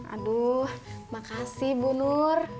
aduh makasih bu nur